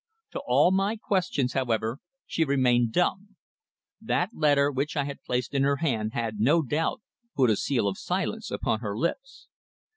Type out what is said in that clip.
To all my questions, however, she remained dumb. That letter which I had placed in her hand had, no doubt, put a seal of silence upon her lips.